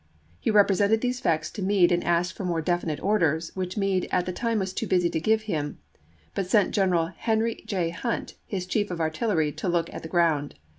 He represented these facts to Meade and asked for more definite orders, which Meade at the time was too busy to give him, but sent General Henry J. Hunt, his chief of artillery, to look at the ground.